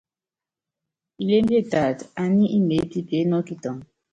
Ilémbie taata, ani imeépípíene ɔ́kitɔŋɔ.